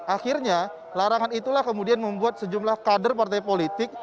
akhirnya larangan itulah kemudian membuat sejumlah kader partai politik